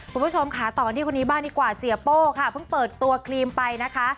คุณผู้ชมค่ะต่อกันที่คนนี้บ้างดีกว่าเสียโป้ค่ะเพิ่งเปิดตัวครีมไปนะคะ